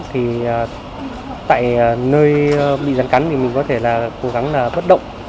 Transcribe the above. thì tại nơi bị rắn cắn thì mình có thể là cố gắng là thất động